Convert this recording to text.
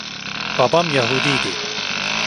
Babam Yahudiydi.